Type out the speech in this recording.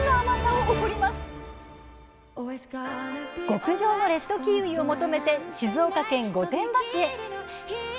極上のレッドキウイを求めて静岡県御殿場市へ！